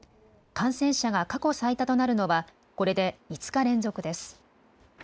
感染者が過去最多となるのは、これで５日連続です。